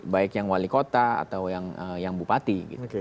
baik yang wali kota atau yang bupati